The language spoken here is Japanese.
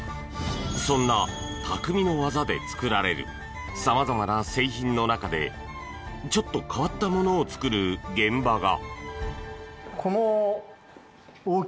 そんな、たくみの技で作られる様々な製品の中でちょっと変わったものを作る現場が！